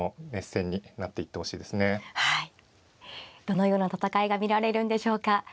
どのような戦いが見られるんでしょうか。